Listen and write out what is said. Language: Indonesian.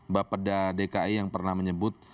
bapeda dki yang pernah menyebut